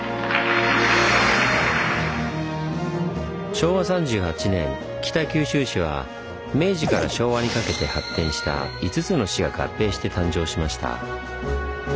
昭和３８年北九州市は明治から昭和にかけて発展した５つの市が合併して誕生しました。